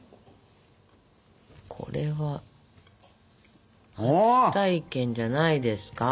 これは初体験じゃないですか？